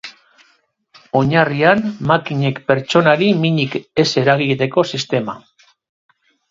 Oinarrian, makinek pertsonari minik ez eragiteko sistema.